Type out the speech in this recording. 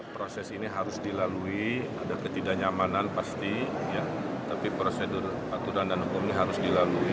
proses ini harus dilalui ada ketidaknyamanan pasti tapi prosedur aturan dan hukumnya harus dilalui